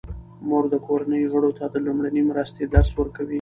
مور د کورنۍ غړو ته د لومړنۍ مرستې درس ورکوي.